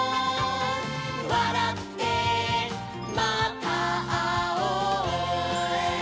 「わらってまたあおう」